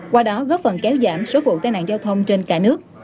qua đó góp phần kéo giảm số vụ tai nạn giao thông trên cả nước